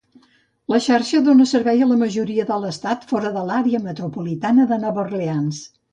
La xarxa dona servei a la majoria de l'Estat fora de l'àrea metropolitana de Nova Orleans.